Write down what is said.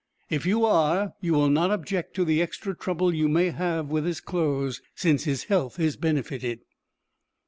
"If you are, you will not object to the extra trouble you may have with his clothes, since his health is benefited."